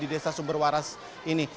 di desa sumberwaras ini